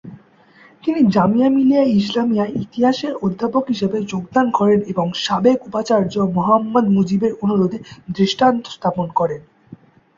তিনি জামিয়া মিলিয়া ইসলামিয়ায় ইতিহাসের অধ্যাপক হিসেবে যোগদান করেন এবং সাবেক উপাচার্য মোহাম্মদ মুজিবের অনুরোধে দৃষ্টান্ত স্থাপন করেন।